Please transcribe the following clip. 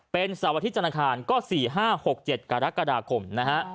เป็นสวทิศธนาคารก็๔๕๖๗กรกฎาคมนะฮะ